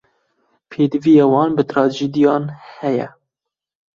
Pêdiviya wan bi trajediyan heye.